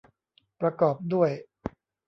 ประกอบด้วย